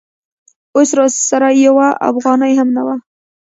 اوس راسره یوه افغانۍ هم نه وه.